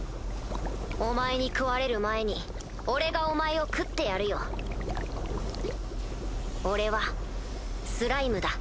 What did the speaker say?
お前に食われる前に俺がお前を食ってやるよ。俺はスライムだ。